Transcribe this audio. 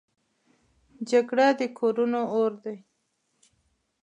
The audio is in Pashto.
جګړه د کورونو اور دی